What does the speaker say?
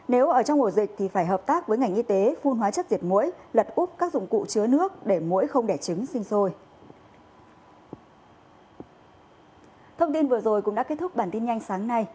nếu ở trong ổ dịch thì phải hợp tác với ngành y tế phun hóa chất diệt mũi lật úp các dụng cụ chứa nước để mũi không đẻ trứng sinh sôi